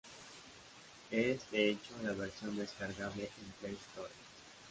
Es, de hecho, la versión descargable en Playstation Store.